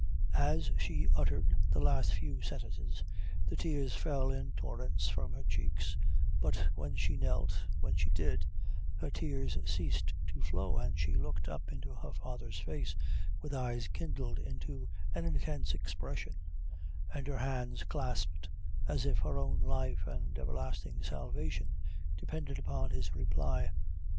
As she uttered the last few sentences, the tears fell in torrents from her cheeks; but when she knelt which she did her tears ceased to flow, and she looked up into her father's face with eyes kindled into an intense expression, and her hands clasped as if her own life and everlasting salvation depended upon his reply.